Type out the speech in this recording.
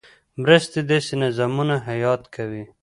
مرستې داسې نظامونه حیات کوي.